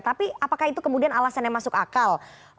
tapi apakah itu kemudian alasan yang masuk akal